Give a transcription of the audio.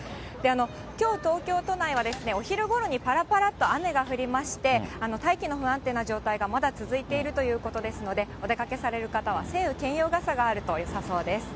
きょう、東京都内はお昼ごろにぱらぱらっと雨が降りまして、大気の不安定な状態がまだ続いているということですので、お出かけされる方は晴雨兼用傘があるとよさそうです。